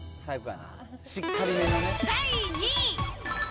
第２位。